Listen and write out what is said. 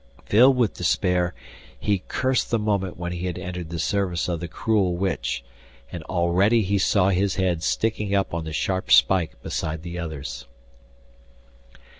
Filled with despair, he cursed the moment when he had entered the service of the cruel witch, and already he saw his head sticking up on the sharp spike beside the others.